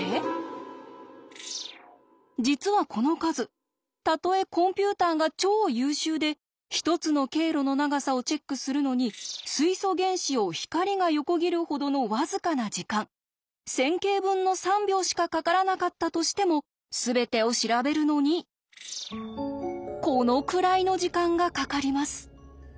実はこの数たとえコンピューターが超優秀で１つの経路の長さをチェックするのに水素原子を光が横切るほどの僅かな時間１０００京分の３秒しかかからなかったとしてもすべてを調べるのにこのくらいの時間がかかります。